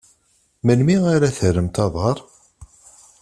Melmi ara terremt aḍar?